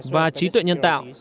và trí tuệ nhân tạo